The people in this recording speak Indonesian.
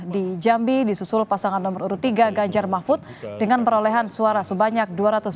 di jambi disusul pasangan nomor urut tiga gajar mahfud dengan perolehan suara sebanyak dua ratus tiga puluh empat dua ratus lima puluh satu